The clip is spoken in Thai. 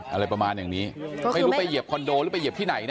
อะไรประมาณอย่างนี้ไม่รู้ไปเหยียบคอนโดหรือไปเหยียบที่ไหนนะ